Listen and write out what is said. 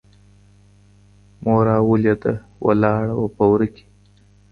مورا ولیده ولاړه وه په وره کي